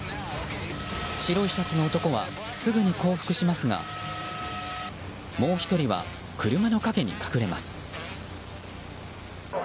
白いシャツの男はすぐに降伏しますがもう１人は、車の陰に隠れます。